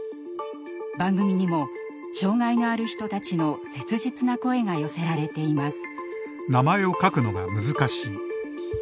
番組にも障害のある人たちの切実な声が寄せられています。